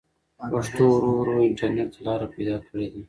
پښتو ورو ورو انټرنټ ته لاره پيدا کړې ده.